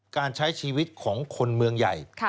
การใช้ชีวิตของคนเมืองใหญ่